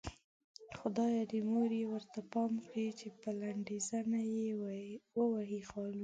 خدايه د مور يې ورته پام کړې چې په لنډۍ زنه يې ووهي خالونه